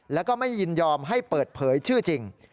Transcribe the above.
แล้วก็ไม่ยินยอมให้เปิดเผยชื่อจริง